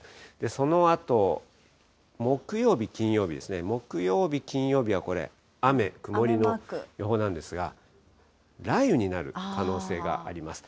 そのあと、木曜日、金曜日ですね、木曜日、金曜日はこれ、雨、曇りの予報なんですが、雷雨になる可能性があります。